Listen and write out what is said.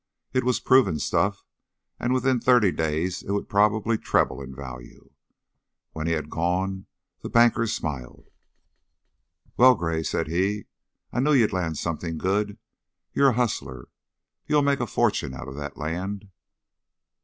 It was proven stuff and within thirty days it would probably treble in value. When he had gone, the banker smiled. "Well, Gray," said he, "I knew you'd land something good. You're a hustler. You'll make a fortune out of that land."